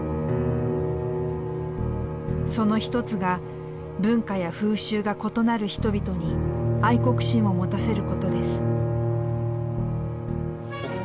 その一つが文化や風習が異なる人々に愛国心を持たせることです。